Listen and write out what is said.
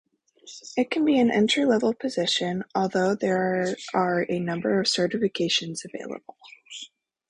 It can be an entry-level position, although there are a number of certifications available.